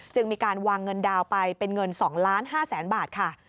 จึงมีการวางเงินดาวน์ไปเป็นเงิน๒๕๐๐๐๐บาทค่ะ